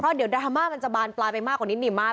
เดี๋ยวดราม่ามันจะบานปลายไปมากกว่านิดหนีมาก